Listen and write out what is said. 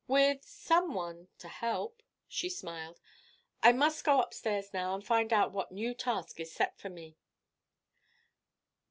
"With some one to help," she smiled. "I must go up stairs now and find out what new task is set for me."